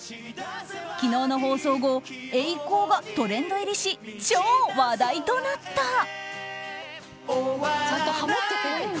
昨日の放送後ＥＩＫＯがトレンド入りし超話題となった。